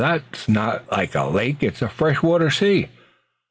That's not a lake! It's a fresh water sea.